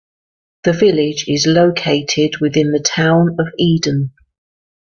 The village is located within the Town of Eden.